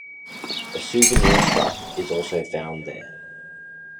A souvenir shop is also found there.